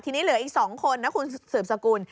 ทีนี้เหลืออีก๒คนนะคุณสืบสกุล